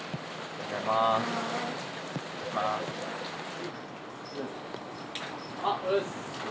おはようございます。